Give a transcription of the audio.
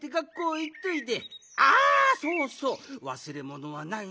あそうそうわすれものはないね？